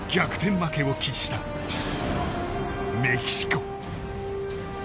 負けを喫したメキシコ。